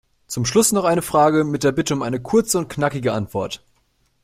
Zum Schluss noch eine Frage mit der Bitte um eine kurze und knackige Antwort.